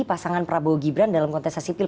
pasangan prabowo gibran dalam konteks asipil